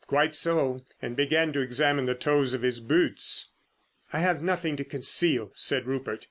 quite so!" and began to examine the toes of his boots. "I have nothing to conceal," said Rupert.